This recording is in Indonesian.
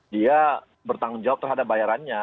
dia bertanggung jawab terhadap bayarannya